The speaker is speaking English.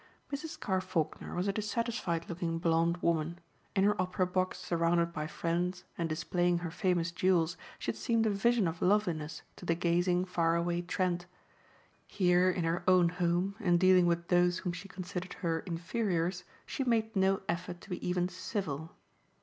Mrs. Carr Faulkner was a dissatisfied looking blonde woman. In her opera box surrounded by friends and displaying her famous jewels she had seemed a vision of loveliness to the gazing far away Trent. Here in her own home and dealing with those whom she considered her inferiors, she made no effort to be even civil.